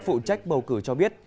phụ trách bầu cử cho biết